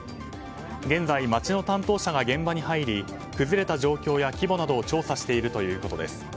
現在、町の担当者が現場に入り崩れた状況や規模などを調査しているということです。